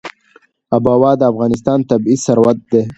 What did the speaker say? آب وهوا د افغانستان طبعي ثروت دی.